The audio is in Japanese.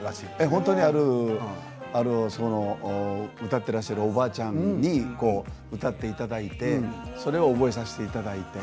本当に歌っていらっしゃるおばあちゃんに歌っていただいてそれを覚えさせていただいて。